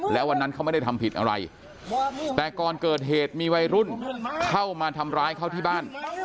แล้ววันนั้นเขาไม่ได้ทำผิดอะไรแต่ก่อนเกิดเหตุมีวัยรุ่นเข้ามาทำร้ายเขาที่บ้าน